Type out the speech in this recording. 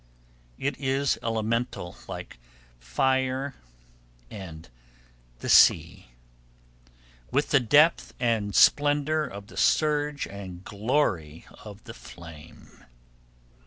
It is elemental, like fire and the sea, with the depth and splendour of the surge and the glory of the flame.